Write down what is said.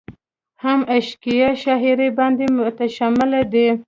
هم عشقيه شاعرۍ باندې مشتمل دي ۔